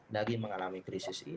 dari mengalami krisis